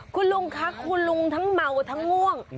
คุณลุงคะคุณลุงทั้งเมาทั้งง่วง